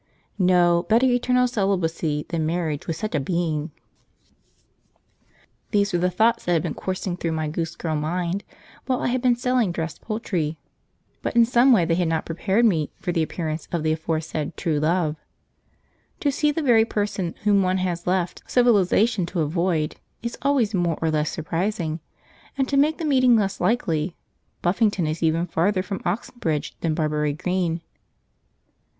No, better eternal celibacy than marriage with such a being! {She was unable to take the four rabbits: p107.jpg} These were the thoughts that had been coursing through my goose girl mind while I had been selling dressed poultry, but in some way they had not prepared me for the appearance of the aforesaid true love. To see the very person whom one has left civilisation to avoid is always more or less surprising, and to make the meeting less likely, Buffington is even farther from Oxenbridge than Barbury Green.